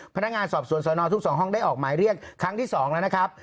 พนักงานสอบสวนสนทุก๒ห้องได้ออกหมายเรียกครั้งที่๒แล้วนะครับ